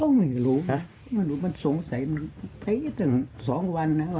ก็ไม่รู้มันสงสัยไปจน๒วันวันนี้ก็จะไป